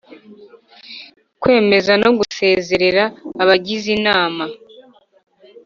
kwemeza no gusezerera abagize Inama